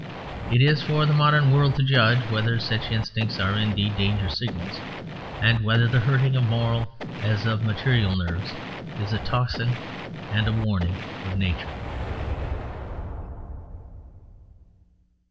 It is for the modern world to judge whether such instincts are indeed danger signals; and whether the hurting of moral as of material nerves is a tocsin and a warning of nature.